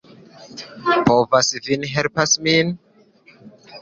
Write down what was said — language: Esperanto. Povas vin helpas min?